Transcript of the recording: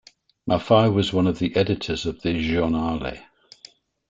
Maffei was one of the editors of the Giornale.